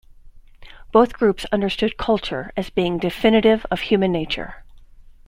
Both groups understood culture as being definitive of human nature.